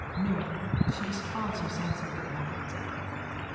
No, she was far too sensible for that.